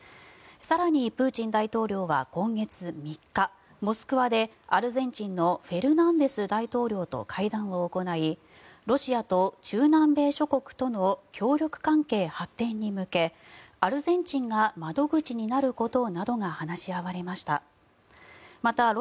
更に、プーチン大統領は今月３日モスクワでアルゼンチンのフェルナンデス大統領と会談を行いロシアと中南米諸国との協力関係発展に向けアルゼンチンが窓口になることなどが話し合われました。